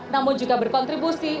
namun juga berkontribusi